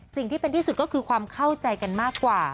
สิ่งที่เป็นที่สุดก็คือความเข้าใจกันมากกว่า